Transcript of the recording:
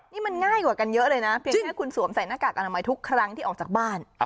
นี่มันง่ายกว่ากันเยอะเลยนะเพียงแค่คุณสวมใส่หน้ากากอนามัยทุกครั้งที่ออกจากบ้าน